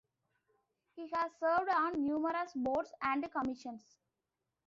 He has served on numerous boards and commissions.